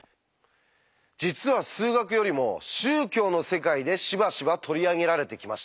実は数学よりも宗教の世界でしばしば取り上げられてきました。